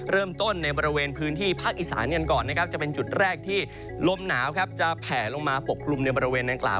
เริ่มต้นในบริเวณพื้นที่ภาคอีสานกันก่อนนะครับจะเป็นจุดแรกที่ลมหนาวจะแผ่ลงมาปกคลุมในบริเวณดังกล่าว